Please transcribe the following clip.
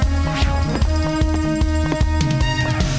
แม่บ้านประจำบาน